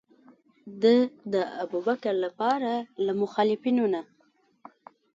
ده د ابوبکر لپاره له مخالفینو نه.